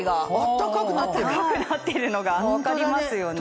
暖かくなっているのが分かりますよね。